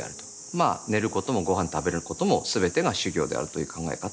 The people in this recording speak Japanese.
まあ寝ることもごはん食べることもすべてが修行であるという考え方をします。